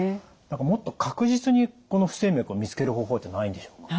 何かもっと確実にこの不整脈を見つける方法ってないんでしょうか？